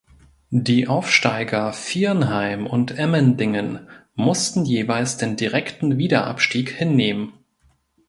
Die Aufsteiger Viernheim und Emmendingen mussten jeweils den direkten Wiederabstieg hinnehmen.